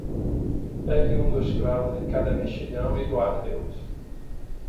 Pegue um dos cravos em cada mexilhão e guarde-os.